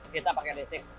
kita pakai listrik